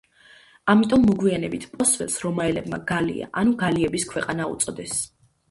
ამიტომ მოგვიანებით პოს ველს რომაელებმა გალია ანუ გალების ქვეყანა უწოდეს.